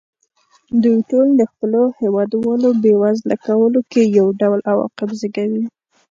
دوی ټول د خپلو هېوادوالو بېوزله کولو کې یو ډول عواقب زېږوي.